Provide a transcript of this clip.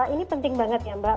ini penting banget ya mbak